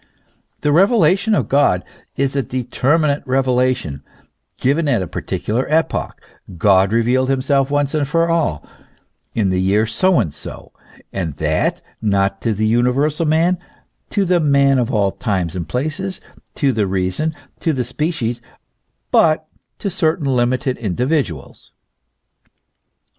The revelation of God is a determinate revelation, given at a particular epoch : God revealed himself once for all in the year so and so, and that, not to the universal man, to the man of all times and places, to the reason, to the species, but to certain limited individuals.